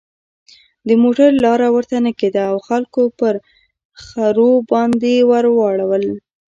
د موټر لاره ورته نه کېده او خلکو پر خرو بارونه ور وړل.